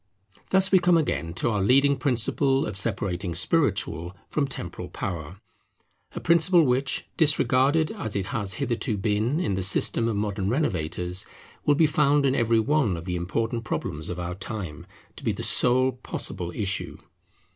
Thus we come again to our leading principle of separating spiritual from temporal power; a principle which, disregarded as it has hitherto been in the system of modern renovators, will be found in every one of the important problems of our time to be the sole possible issue.